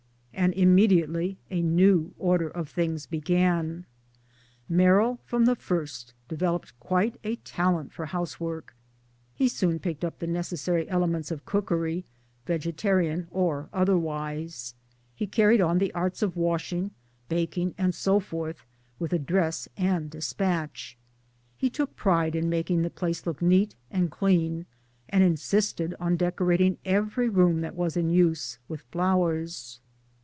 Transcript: And immediately a new order of things began. Merrill from the first developed quite a talent for house work. He soon picked up the necessary elements of cookery, vegetarian or otherwise ; he carried on the arts of washing, baking; and so forth with address and dispatch ; he took pride in making* the place look neat and clean, and insisted on decorating every room that was in use with flowers.